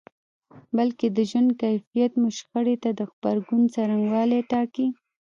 بلکې د ژوند کيفیت مو شخړې ته د غبرګون څرنګوالی ټاکي.